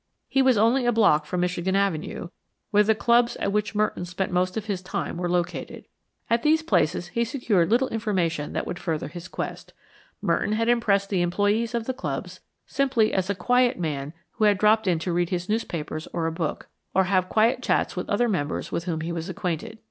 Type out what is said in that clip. He was only a block from Michigan Avenue, where the clubs at which Merton spent most of his time were located. At these places he secured little information that would further his quest. Merton had impressed the employees of the clubs simply as a quiet man who had dropped in to read his newspaper or book, or have quiet chats with other members with whom he was acquainted.